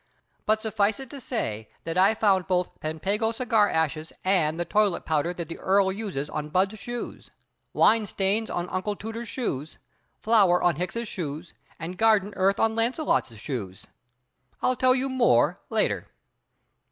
But suffice it to say that I found both Pampango cigar ashes and the toilet powder that the Earl uses on Budd's shoes; wine stains on Uncle Tooter's shoes; flour on Hicks's shoes, and garden earth on Launcelot's shoes. I'll tell you more later."